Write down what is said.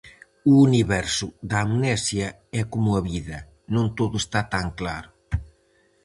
O universo da Amnesia é como a vida, non todo está tan claro.